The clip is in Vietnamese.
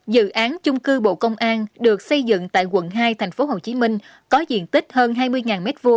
dự án chung cư bộ công an được xây dựng tại quận hai tp hcm có diện tích hơn hai mươi m hai